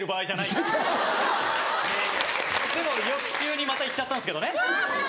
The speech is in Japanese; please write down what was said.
でも俺翌週にまた行っちゃったんですけどね。